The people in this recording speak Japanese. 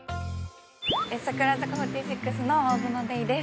櫻坂４６の大園玲です。